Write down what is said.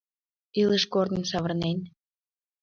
Илыш корным, савырнен.